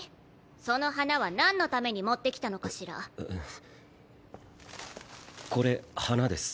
その花は何のために持ってきたのかしらこれ花です